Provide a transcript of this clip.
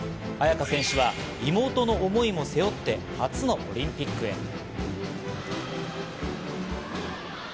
亜矢可選手は妹の思いも背負って初のオリンピックへ。